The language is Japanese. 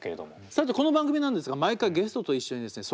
さてこの番組なんですが毎回ゲストと一緒にですね